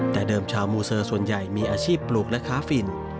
แต่เดิมชาวมูเซอร์ส่วนใหญ่มีอาชีพปลูกและค้าฝิ่น